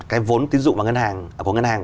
cái vốn tín dụng của ngân hàng